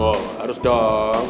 oh harus dong